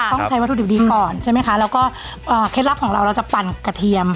ต้องใช้วัตถุดิบดีก่อนใช่ไหมคะแล้วก็เคล็ดลับของเราเราจะปั่นกระเทียม